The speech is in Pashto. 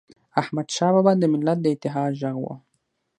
احمدشاه بابا د ملت د اتحاد ږغ و.